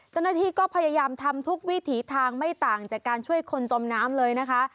เจ้าหน้าที่ก็พยายามทำทุกวิถีทางไม่ต่างจากการช่วยคนจมน้ำเลยนะคะ